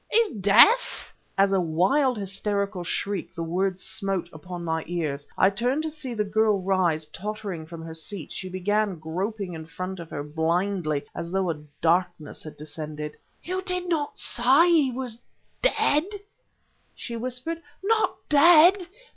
"His ... death!" As a wild, hysterical shriek the words smote upon my ears. I turned, to see the girl rise, tottering, from her seat. She began groping in front of her, blindly, as though a darkness had descended. "You did not say he was dead?" she whispered, "not dead!